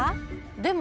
でも。